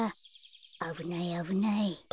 あぶないあぶない。